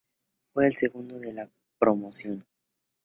Fue el segundo de su promoción.